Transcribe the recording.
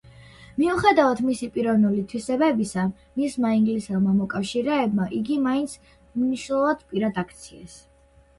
მიუხედავად მისი პიროვნული თვისებებისა, მისმა ინგლისელმა მოკავშირეებმა იგი მაინც მნიშვნელოვან პირად აქციეს.